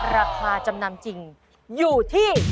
ราคาจำนำจริงอยู่ที่